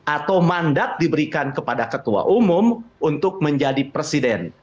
atau mandat diberikan kepada ketua umum untuk menjadi presiden